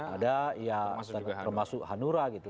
ada ya termasuk hanura gitu